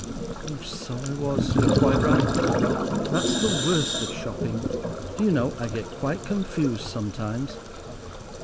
"Oh, so I was, you're quite right. That's the worst of shopping. Do you know I get quite confused sometimes."